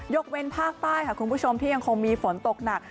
เว้นภาคใต้ค่ะคุณผู้ชมที่ยังคงมีฝนตกหนัก